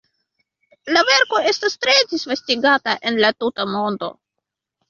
La verko estas tre disvastigata en la tuta mondo.